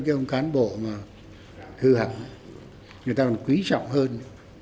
cái ông cán bộ mà hư hẳn người ta còn quý trọng hơn